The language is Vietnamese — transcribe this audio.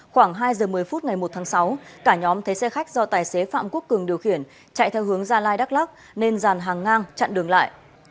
khoảng hai giờ một mươi phút ngày một tháng sáu cả nhóm thấy xe khách do tài xế phạm quốc cường điều khiển chạy theo hướng gia lai đắk lắc nên dàn hàng ngang chặn đường lại